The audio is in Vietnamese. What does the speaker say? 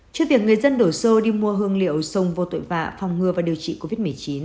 trước việc người dân đổ xô đi mua hương liệu sông vô tội vạ phòng ngừa và điều trị covid một mươi chín